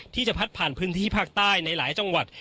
ที่จะพัดผ่านพื้นที่ภาคใต้ในหลายจังหวัด